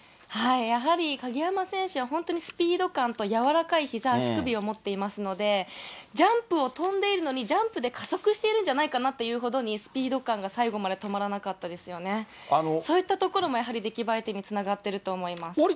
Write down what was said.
やはり鍵山選手は、本当にスピード感と柔らかいひざ、足首を持っていますので、ジャンプを跳んでいるのに、ジャンプで加速しているんじゃないかなというほどにスピード感が最後まで止まらなかったですよね、そういったところも、やはり出来栄え点につながっていると思います。